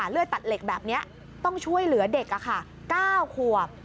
เลือดตัดเหล็กแบบนี้ต้องช่วยเหลือเด็ก๙ขวบ